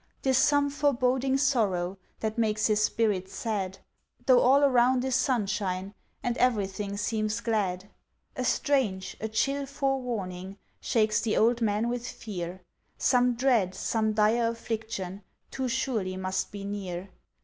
'Tis some foreboding sorrow That makes his spirit sad, Though all around is sunshine And everything seems glad. A strange, a chill forewarning, Shakes the old man with fear, Some dread, some dire affliction, Too surely must be near.